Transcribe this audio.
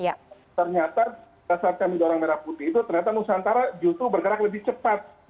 ternyata saat kami dorong merah putih itu ternyata nusantara justru bergerak lebih cepat